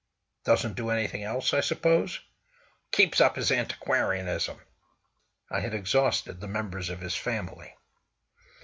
"Doesn't do anything else, I suppose?" "Keeps up his antiquarianism." I had exhausted the members of his family.